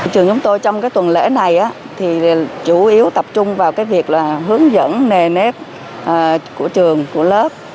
trường chúng tôi trong cái tuần lễ này thì chủ yếu tập trung vào cái việc là hướng dẫn nề nếp của trường của lớp